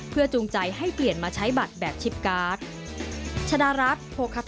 จูงใจให้เปลี่ยนมาใช้บัตรแบบชิปการ์ด